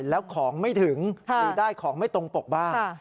แล้วของไม่ถึงหรือได้ของไม่ตรงปกบ้าง